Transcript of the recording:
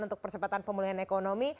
untuk persempatan pemulihan ekonomi